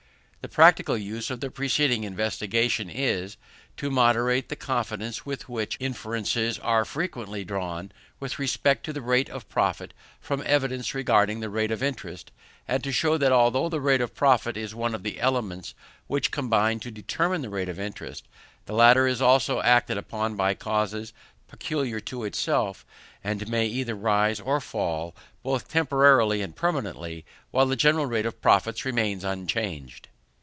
The practical use of the preceding investigation is, to moderate the confidence with which inferences are frequently drawn with respect to the rate of profit from evidence regarding the rate of interest; and to shew that although the rate of profit is one of the elements which combine to determine the rate of interest, the latter is also acted upon by causes peculiar to itself, and may either rise or fall, both temporarily and permanently, while the general rate of profits remains unchanged.